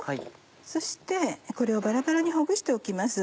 そしてこれをバラバラにほぐしておきます。